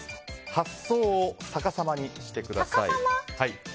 発想を逆さまにしてください。